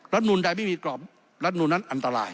นูลใดไม่มีกรอบรัฐนูลนั้นอันตราย